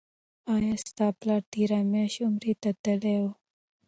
آیا ستا پلار تیره میاشت عمرې ته تللی و؟